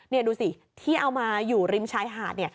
นี่ดูสิที่เอามาอยู่ริมชายหาด